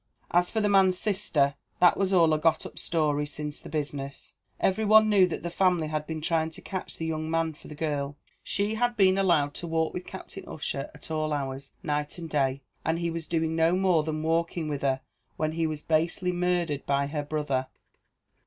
As for the man's sister, that was all a got up story since the business. Every one knew that the family had been trying to catch the young man for the girl; she had been allowed to walk with Captain Ussher at all hours, night and day; and he was doing no more than walking with her when he was basely murdered by her brother.